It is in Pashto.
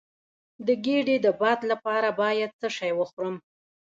د ګیډې د باد لپاره باید څه شی وخورم؟